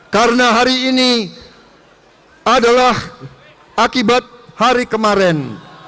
karena hari ini adalah akibat hari kemarin